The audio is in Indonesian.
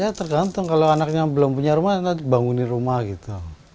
ya tergantung kalau anaknya belum punya rumah banguni rumah gitu